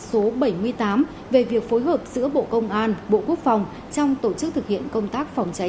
số bảy mươi tám về việc phối hợp giữa bộ công an bộ quốc phòng trong tổ chức thực hiện công tác phòng cháy